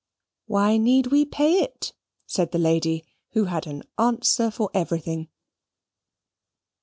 "Why need we pay it?" said the lady, who had an answer for everything.